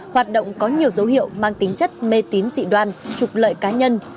hoạt động có nhiều dấu hiệu mang tính chất mê tín dị đoan trục lợi cá nhân